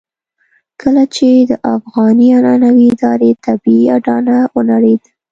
کله چې د افغاني عنعنوي ادارې طبيعي اډانه ونړېده.